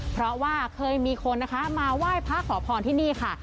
เพราะว่าเคยมีคนนะคะมาไหว้พระขอพรที่นี่ค่ะ